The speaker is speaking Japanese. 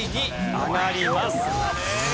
上がります。